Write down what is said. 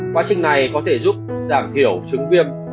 quá trình này có thể giúp giảm thiểu chứng viên